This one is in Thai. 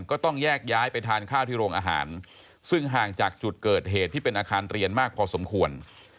ก็ต้องแยกย้ายไปทานข้าวที่โรงอาหารซึ่งห่างจากจุดเกิดเหตุที่เป็นอาคารเรียนมากพอสมควร